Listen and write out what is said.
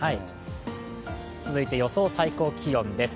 続いて予想最高気温です。